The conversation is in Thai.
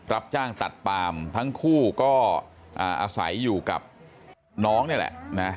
รับจ้างตัดปามทั้งคู่ก็อาศัยอยู่กับน้องนี่แหละนะ